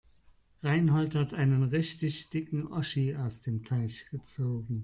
Reinhold hat einen richtig dicken Oschi aus dem Teich gezogen.